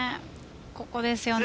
ここですよね。